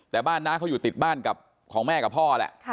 แต่บ้านน้าเขาอยู่ติดบ้านกับของแม่กับพ่อแหละ